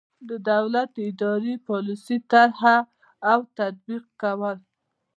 د دولت د اداري پالیسۍ طرح او تطبیق کول.